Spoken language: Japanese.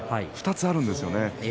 ２つあるんですよね。